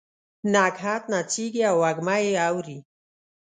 نګهت نڅیږې او وږمه یې اوري